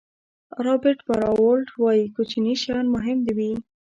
رابرټ براولټ وایي کوچني شیان مهم وي.